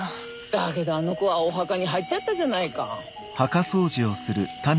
だけどあの子はお墓に入っちゃったじゃないか。